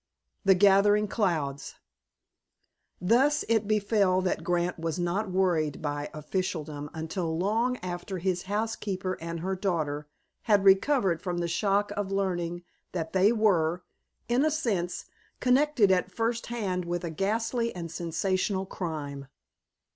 The Gathering Clouds Thus, it befell that Grant was not worried by officialdom until long after his housekeeper and her daughter had recovered from the shock of learning that they were, in a sense, connected at first hand with a ghastly and sensational crime.